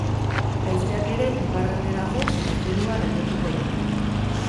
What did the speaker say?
Haizeak ere iparraldera jo eta zerua lainotuko du.